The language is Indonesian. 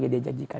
yang dia janjikan